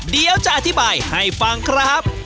เดี๋ยวจะอธิบายให้ฟังครับ